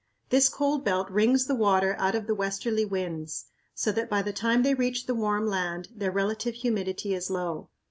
This cold belt wrings the water out of the westerly winds, so that by the time they reach the warm land their relative humidity is low.